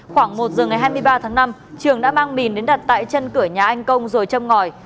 khoảng một giờ ngày hai mươi ba tháng năm trường đã mang mìn đến đặt tại chân cửa nhà anh công rồi châm ngòi